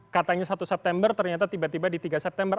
katanya satu september ternyata tiba tiba di tiga september